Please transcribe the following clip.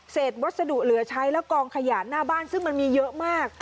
วัสดุเหลือใช้แล้วกองขยะหน้าบ้านซึ่งมันมีเยอะมาก